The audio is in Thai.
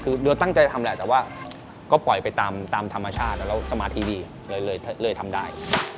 คือเราตั้งใจทำแหละแต่ว่าก็ปล่อยไปตามธรรมชาติแล้วสมาธิดีเลยทำได้